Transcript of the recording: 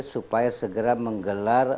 supaya segera menggelar